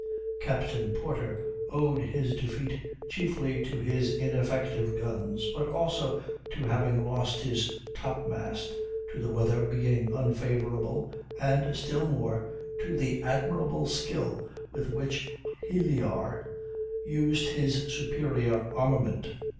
Captain Porter owed his defeat chiefly to his ineffective guns, but also to having lost his topmast, to the weather being unfavorable, and, still more, to the admirable skill with which Hilyar used his superior armament.